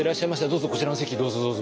どうぞこちらの席どうぞどうぞ。